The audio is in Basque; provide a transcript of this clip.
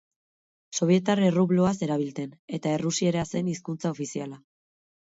Sobietar errubloa zerabilten, eta errusiera zen hizkuntza ofiziala.